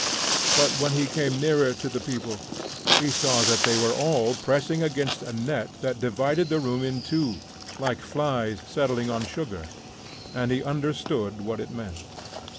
But when he came nearer to the people, he saw that they were all pressing against a net that divided the room in two, like flies settling on sugar, and he understood what it meant.